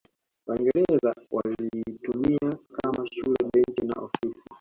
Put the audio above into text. Waingereza walilitumia kama shule benki na ofisi